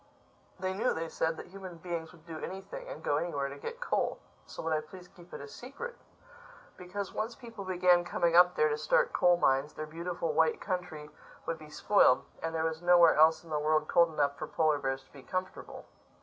They knew, they said, that human beings would do anything, and go anywhere, to get coal. So would I please keep it a secret. Because once people began coming up there to start coal mines, their beautiful white country would be spoiled—and there was nowhere else in the world cold enough for polar bears to be comfortable.